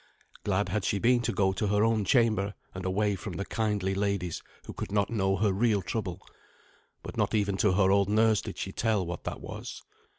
Glad had she been to go to her own chamber and away from the kindly ladies who could not know her real trouble; but not even to her old nurse did she tell what that was.